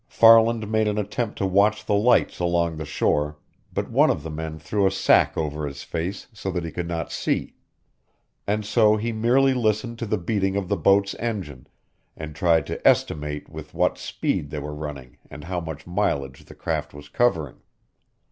Farland made an attempt to watch the lights along the shore, but one of the men threw a sack over his face, so that he could not see. And so he merely listened to the beating of the boat's engine, and tried to estimate with what speed they were running and how much mileage the craft was covering.